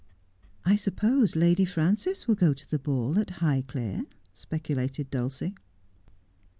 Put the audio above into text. ' I suppose Lady Frances will go to the ball at Highclere ?' speculated Dulcie.